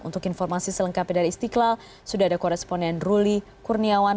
untuk informasi selengkapnya dari istiqlal sudah ada koresponen ruli kurniawan